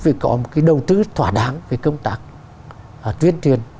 phải có một cái đầu tư thỏa đáng về công tác tuyên truyền